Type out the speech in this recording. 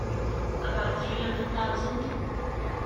About three hundred thousand.